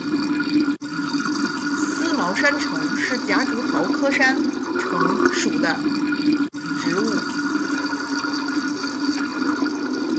思茅山橙是夹竹桃科山橙属的植物。